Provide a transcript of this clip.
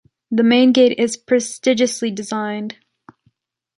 The main gate is prestigiously designed.